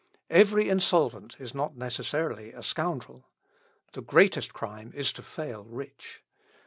Every insolvent is not necessarily a scoundrel. The greatest crime is to fail rich.